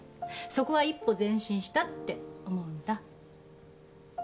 そこは一歩前進したって思うんだ。